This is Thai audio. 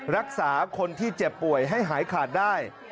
รักษาคนที่เจ็บป่วยให้หายขาดได้